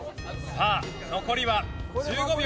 さあ残りは１５秒。